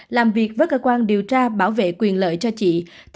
làm việc với cơ quan điều tra bảo vệ quyền lợi